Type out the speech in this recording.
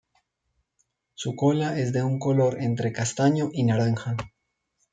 Su cola es de un color entre castaño y naranja.